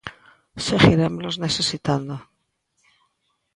Seguirémolos necesitando.